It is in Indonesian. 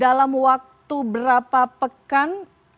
dalam waktu berapa pekan